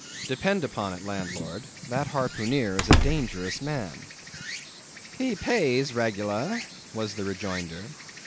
"Depend upon it, landlord, that harpooneer is a dangerous man." "He pays reg'lar," was the rejoinder.